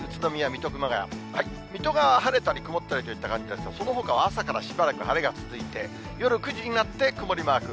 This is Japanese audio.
水戸が晴れたり曇ったりといった感じで、そのほかは朝からしばらく晴れが続いて、夜９時になって曇りマーク。